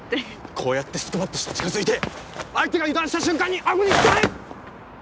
こうやってスクワットして近づいて相手が油断した瞬間に顎にダイブ！